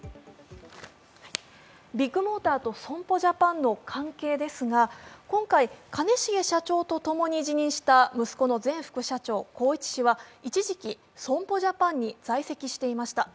ビッグモーターと損保ジャパンの関係ですが今回、兼重社長とともに辞任した息子の前副社長宏一氏は一時期、損保ジャパンに在籍していました。